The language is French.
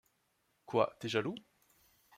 Quoi, t’es jaloux ?